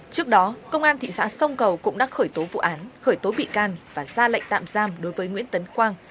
trước đó công an thị xã sông cầu cũng đã khởi tố vụ án khởi tố bị can và ra lệnh tạm giam đối với nguyễn tấn quang